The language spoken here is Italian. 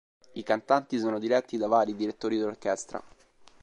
I cantanti sono diretti da vari direttori d'orchestra.